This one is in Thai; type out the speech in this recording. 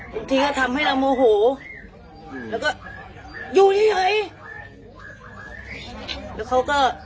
บางทีก็ทำให้เราโมโหแล้วก็อยู่เฉยแล้วเขาก็